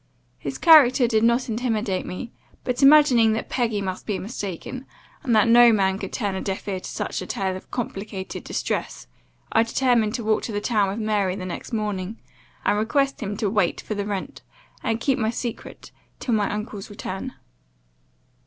His character did not intimidate me; but, imagining that Peggy must be mistaken, and that no man could turn a deaf ear to such a tale of complicated distress, I determined to walk to the town with Mary the next morning, and request him to wait for the rent, and keep my secret, till my uncle's return.